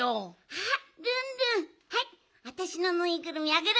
あっルンルンはいあたしのぬいぐるみあげる。